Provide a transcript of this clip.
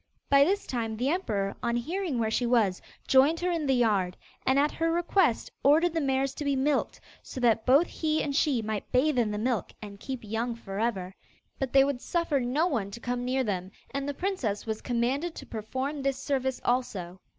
By this time the emperor, on hearing where she was, joined her in the yard, and at her request ordered the mares to be milked, so that both he and she might bathe in the milk and keep young for ever. But they would suffer no one to come near them, and the princess was commanded to perform this service also.